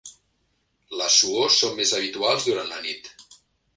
Les suors són més habituals durant la nit.